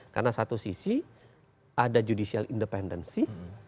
karena satu sisi ada judicial independensi